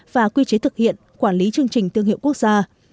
và quy chế thực hiện quản lý chương trình thương hiệu quốc gia